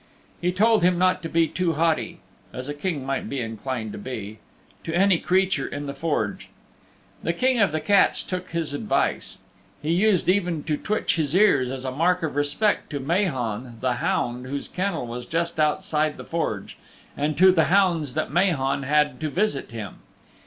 He told him not to be too haughty (as a King might be inclined to be) to any creature in the Forge. The King of the Cats took this advice. He used even to twitch his ears as a mark of respect to Mahon, the hound whose kennel was just outside the forge, and to the hounds that Mahon had to visit him.